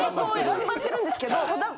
頑張ってるんですけどただ。